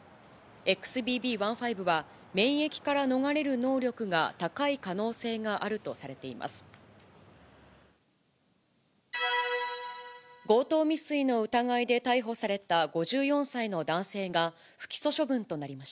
ＸＢＢ１．５は、免疫から逃れる能力が高い可能性があるとされています。